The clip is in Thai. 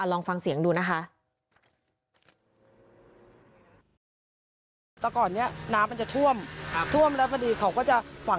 ลองฟังเสียงดูนะคะ